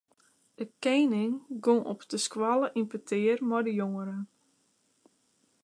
De koaning gong op de skoalle yn petear mei de jongeren.